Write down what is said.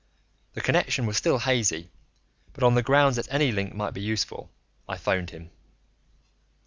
The connection was still hazy, but on the grounds that any link might be useful, I phoned him.